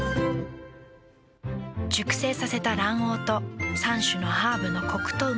熟成させた卵黄と３種のハーブのコクとうま味。